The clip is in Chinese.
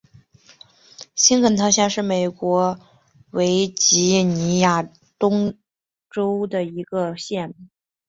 新肯特县是美国维吉尼亚州东部的一个县。